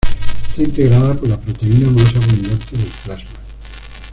Está integrada por la proteína más abundante del plasma.